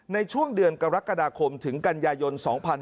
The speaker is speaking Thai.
ในช่วงเดือนกรกฎาคมถึงกันยายน๒๕๕๙